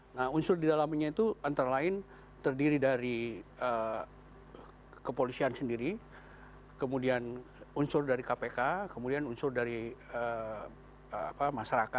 nah unsur di dalamnya itu antara lain terdiri dari kepolisian sendiri kemudian unsur dari kpk kemudian unsur dari masyarakat